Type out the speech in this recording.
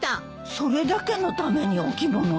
それだけのためにお着物で？